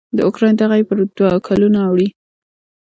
د اوکراین دغه یې پر کلونو اوړي.